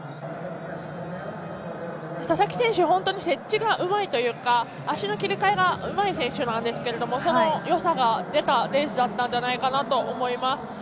佐々木選手、本当に接地がうまいというか足の切り替えがうまい選手なんですがそのよさが出たレースだったんじゃないかなと思います。